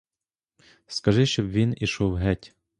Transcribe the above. Скажи, щоб він ішов геть.